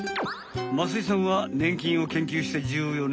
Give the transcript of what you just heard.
増井さんはねん菌を研究して１４年。